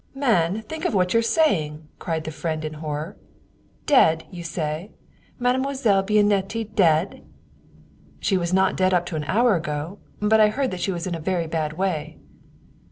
" Man ! Think of what you are saying! " cried the friend in horror. " Dead, you say? Mademoiselle Bianetti dead? "" She was not dead up to an hour ago, but I heard that she was in a very bad way."